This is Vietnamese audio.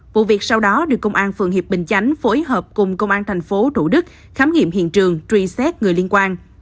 vụ việc sau đó được công an phường hiệp bình chánh phối hợp cùng công an tp thủ đức khám nghiệm hiện trường truy xét người liên quan